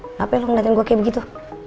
kenapa lo ngeliatin gue kayak begitu